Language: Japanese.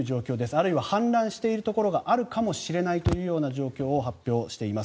あるいは氾濫しているところがあるかもしれないというような状況を発表しています。